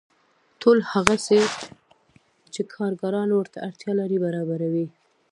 ټول هغه څه چې کارګران ورته اړتیا لري برابروي